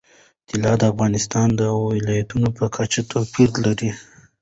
طلا د افغانستان د ولایاتو په کچه توپیر لري.